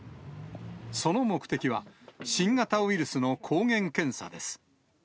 その目的は、新型ウイルスの抗原検査です。